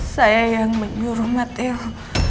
saya yang menyuruh matil